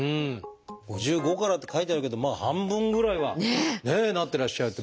５５からって書いてあるけどまあ半分ぐらいはねなってらっしゃるって。